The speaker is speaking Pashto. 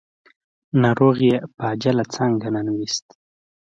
ناروغ يې په عاجله څانګه ننوېست.